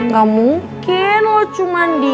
gak mungkin lo cuman diem